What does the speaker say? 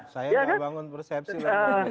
saya tidak bangun persepsi lagi